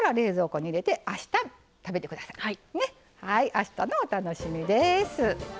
あしたのお楽しみです。